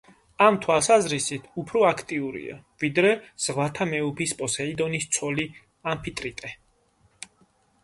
ამ თვალსაზრისით, უფრო აქტიურია, ვიდრე ზღვათა მეუფის პოსეიდონის ცოლი ამფიტრიტე.